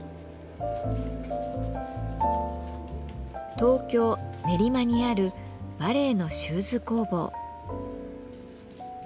東京・練馬にあるバレエのシューズ工房。